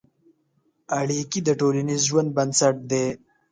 اړیکې د ټولنیز ژوند بنسټ دي.